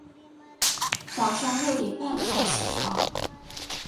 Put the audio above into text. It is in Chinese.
早上六点半才起床